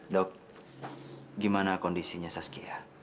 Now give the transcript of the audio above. dok gimana kondisinya saskia